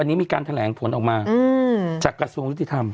ที่การแถลงผลออกมาจากกระทรวงวิติธรรม